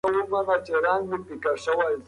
د ظاهري بڼې تر شا ډېر استعدادونه پټ وي.